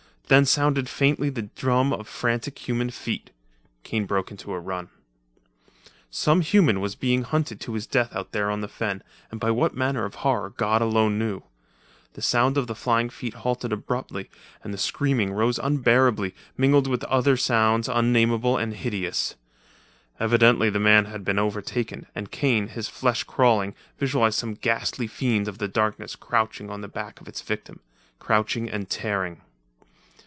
Then sounded faintly the drum of frantic human feet. Kane broke into a run. Some human was being hunted to death out there on the fen, and by what manner of horror God only knew. The sound of the flying feet halted abruptly and the screaming rose unbearably, mingled with other sounds unnameable and hideous. Evidently the man had been overtaken, and Kane, his flesh crawling, visualized some ghastly fiend of the darkness crouching on the back of its victim crouching and tearing.